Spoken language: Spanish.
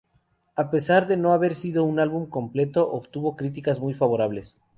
A pesar de no haber sido un álbum completo obtuvo críticas muy favorables.